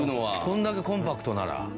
これだけコンパクトなら。